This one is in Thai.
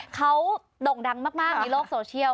เขาโด่งดังมากในโลกโซเชียล